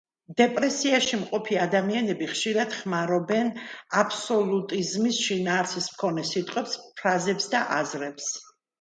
დეპრესიაში მყოფი ადამიანები ხშირად ხმარობენ აბსოლუტიზმის შინაარსის მქონე სიტყვებს, ფრაზებს და აზრებს.